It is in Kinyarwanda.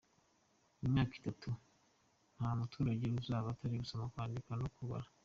Mu myaka Itatu nta muturage uzaba atazi gusoma, kwandika no kubara